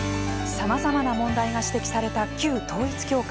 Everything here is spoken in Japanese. さまざまな問題が指摘された旧統一教会。